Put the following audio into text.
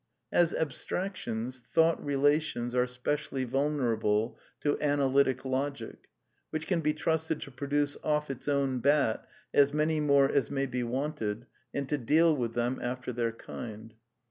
As abstractions, " thought relations '^ are specially vul nerable to Analytic Logic, which can be trusted to produce off its own bat as many more as may be wanted and to ^ deal with them after their kind.